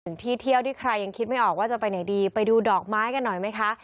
ที่เที่ยวที่ใครยังคิดไม่ออกว่าจะไปไหนดีไปดูดอกไม้กันหน่อยไหมคะ